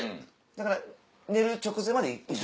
だから寝る直前まで。